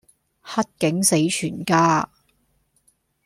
黑警死全家